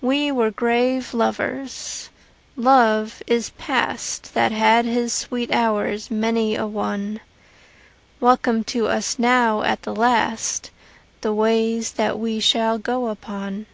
We were grave lovers. Love is past That had his sweet hours many a one; Welcome to us now at the last The ways that we shall go upon.